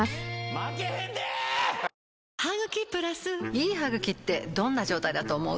いい歯ぐきってどんな状態だと思う？